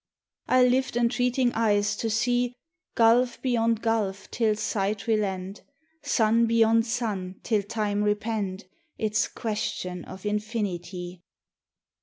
I lift entreating eyes to see Gulf beyond gulf till sight relent, Sun beyond sun till Time repent Its question of Infinity.